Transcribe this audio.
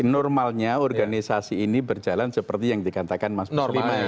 normalnya organisasi ini berjalan seperti yang dikatakan mas praslima